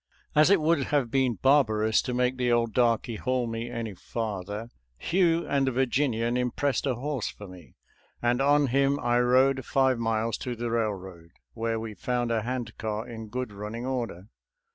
••• As it would have been barbarous to make the old darky haul me any farther, Hugh and the Virginian impressed a horse for me, and on him I rode five miles to the railroad, where we found a hand car in good running order.